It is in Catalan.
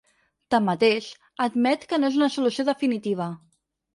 Tanmateix, admet que no és una solució definitiva.